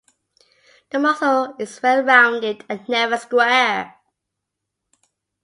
The muzzle is well rounded, and never square.